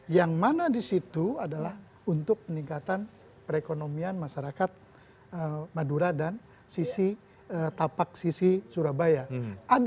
yang mana di situ adalah untuk peningkatan perekonomian masyarakat madura dan sisi tapak sisi surabaya